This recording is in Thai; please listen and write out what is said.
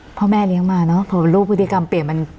พ่อแม่เลี้ยงมาเนอะพอลูกพฤติกรรมเปลี่ยนมัน